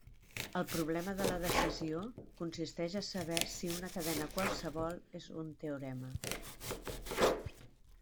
El problema de la decisió consisteix a saber si una cadena qualsevol és un teorema.